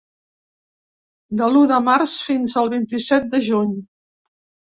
De l’u de març fins al vint-i-set de juny.